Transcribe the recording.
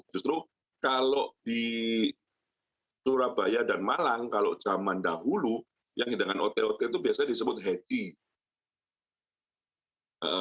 justru kalau di surabaya dan malang kalau zaman dahulu yang hidangan ote ote itu biasanya disebut heci